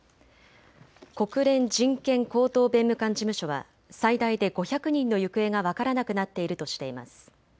国連人権高等弁務官事務所は最大で５００人の行方が分からなくなっているとしています。